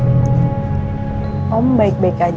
lakukan situasi salah